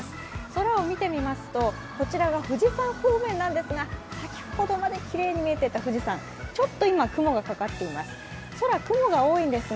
空を見てみますと、こちらが富士山方面なんですが先ほどまできれいに見えていた富士山、ちょっと今は雲がかかっています。